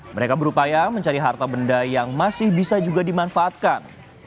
mereka berupaya mencari harta benda yang masih bisa juga dimanfaatkan